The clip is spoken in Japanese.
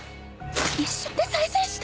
一瞬で再生した！？